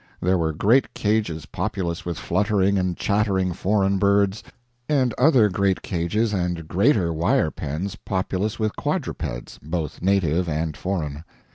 There were great cages populous with fluttering and chattering foreign birds, and other great cages and greater wire pens, populous with quadrupeds, both native and foreign.